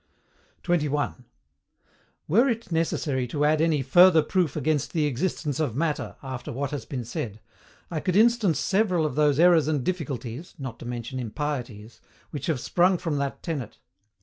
21. Were it necessary to add any FURTHER PROOF AGAINST THE EXISTENCE OF MATTER after what has been said, I could instance several of those errors and difficulties (not to mention impieties) which have sprung from that tenet.